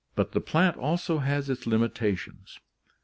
But the plant also has its limitations.